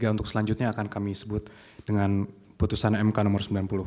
untuk selanjutnya akan kami sebut dengan putusan mk nomor sembilan puluh